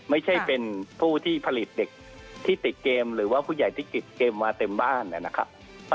ไม่ใช่เป็นผู้ที่ผลิตเด็กที่ติดเกมหรือว่าผู้ใหญ่ที่ติดเกมมาเต็มบ้านนะครับ